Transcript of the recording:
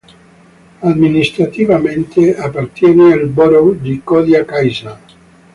Amministrativamente appartiene al Borough di Kodiak Island.